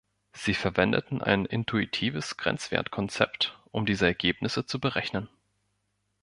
Sie verwendeten ein intuitives Grenzwertkonzept, um diese Ergebnisse zu berechnen.